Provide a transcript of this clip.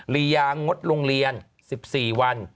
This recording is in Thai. รียางดโรงเรียน๑๔วัน